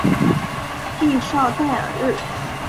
蒂绍代尔日。